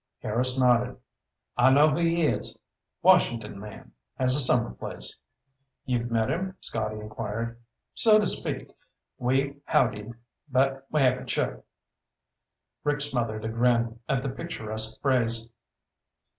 Harris nodded. "I know who he is. Washington man. Has a summer place." "You've met him?" Scotty inquired. "So to speak. We've howdy'd, but we haven't shook." Rick smothered a grin at the picturesque phrase.